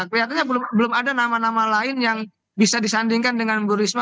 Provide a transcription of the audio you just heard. kelihatannya belum ada nama nama lain yang bisa disandingkan dengan bu risma